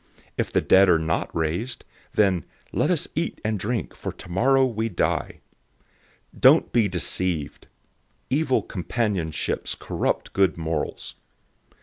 If the dead are not raised, then "let us eat and drink, for tomorrow we die."{Isaiah 22:13} 015:033 Don't be deceived! "Evil companionships corrupt good morals."